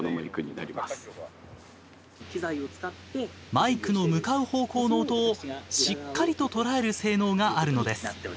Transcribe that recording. マイクの向かう方向の音をしっかりと捉える性能があるのです。